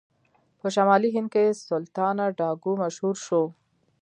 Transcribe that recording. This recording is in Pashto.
په شمالي هند کې سلطانه ډاکو مشهور شو.